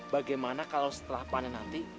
bagaimana kalau setelah panen nanti